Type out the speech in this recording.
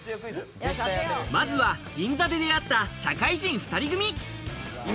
まずは銀座で出会った、社会人２人組。